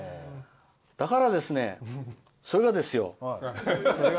だからですね、そいがですよ